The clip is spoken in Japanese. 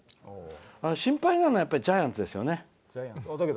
心配なのはジャイアンツですよね。